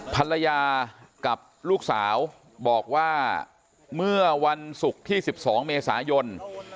ภรรยากับลูกสาวบอกว่าเมื่อวันศุกร์ที่๑๒เมษายน